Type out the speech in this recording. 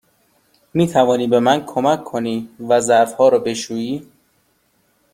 می توانی به من کمک کنی و ظرف ها را بشویی؟